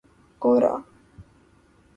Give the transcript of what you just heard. گورا